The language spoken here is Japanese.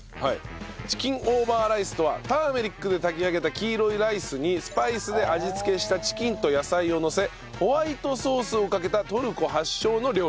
チキンオーバーライスとはターメリックで炊き上げた黄色いライスにスパイスで味付けしたチキンと野菜をのせホワイトソースをかけたトルコ発祥の料理。